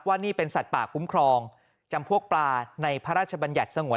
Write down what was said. ว่านี่เป็นสัตว์ป่าคุ้มครองจำพวกปลาในพระราชบัญญัติสงวน